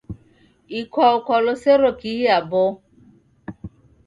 Ikwau kwalosero kihi aboo?